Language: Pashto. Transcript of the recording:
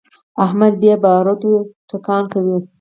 احمد بې باروتو ټکان کوي.